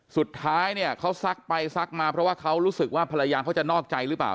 สุดท้ายเนี่ยเขาซักไปซักมาเพราะว่าเขารู้สึกว่าภรรยาเขาจะนอกใจหรือเปล่า